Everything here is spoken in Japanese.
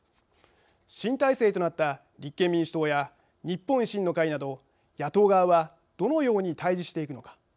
新体制となった立憲民主党や日本維新の会など野党側はどのように対じしていくのか。